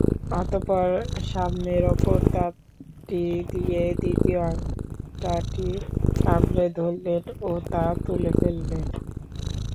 অতঃপর সামনের অপর দাঁতটি দিয়ে দ্বিতীয় আংটাটি কামড়ে ধরলেন ও তা তুলে ফেললেন।